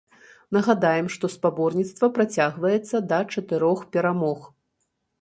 Нагадаем, што спаборніцтва працягваецца да чатырох перамог.